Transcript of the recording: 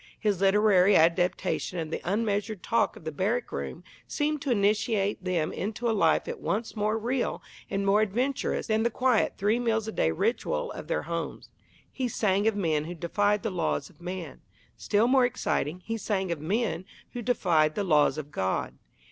His literary adaptation of the unmeasured talk of the barrack room seemed to initiate them into a life at once more real and more adventurous than the quiet three meals a day ritual of their homes. He sang of men who defied the laws of man; still more exciting, he sang of men who defied the laws of God.